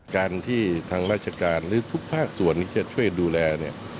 การที่ทางราชการหรือทุกภาคส่วนที่จะช่วยดูแลเนี่ย